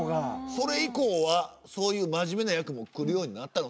それ以降はそういう真面目な役も来るようになったの？